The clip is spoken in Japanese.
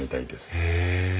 へえ。